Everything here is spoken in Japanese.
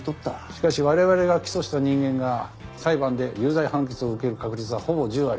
しかし我々が起訴した人間が裁判で有罪判決を受ける確率はほぼ１０割。